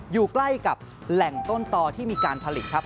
อยู่ใกล้กับแหล่งต้นตอที่มีการผลิตครับ